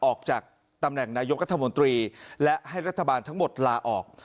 ออกจากตำแหน่งนายกรัฐมนตรีและให้รัฐบาลทั้งหมดลาออก